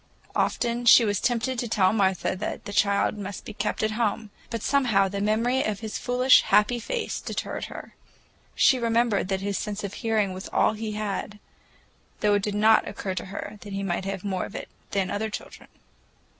Often she was tempted to tell Martha that the child must be kept at home, but somehow the memory of his foolish, happy face deterred her. She remembered that his sense of hearing was nearly all he had,—though it did not occur to her that he might have more of it than other children.